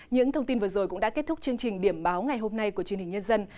những thông tin vừa rồi cũng đã kết thúc chương trình điểm báo ngày hôm nay của truyền hình nhân dân